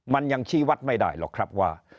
มันยังชี้วัดไม่ได้หรอกครับว่า